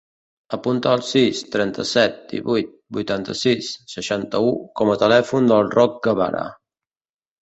Apunta el sis, trenta-set, divuit, vuitanta-sis, seixanta-u com a telèfon del Roc Guevara.